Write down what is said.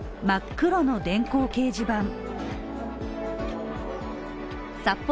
真っ黒の電光掲示板。